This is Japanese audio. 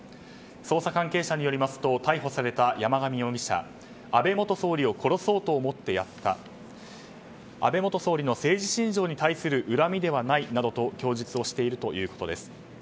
捜査関係者によりますと逮捕された山上容疑者は安倍元総理を殺そうと思ってやった安倍元総理の政治信条に対する恨みではないと供述しているということです。